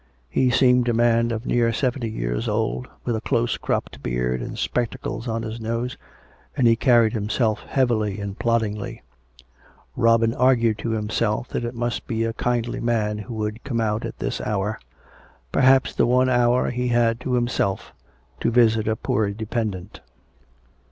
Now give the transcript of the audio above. He seemed a man of near seventy years old, with a close cropped beard and spectacles on his nose, and he carried himself heavily and ploddingly. Robin argued to himself that it must be a kindly man who would come out 296 COME RACK! COME ROPE! at this hour — perhaps the one hour he had to himself — to visit a poor dependant.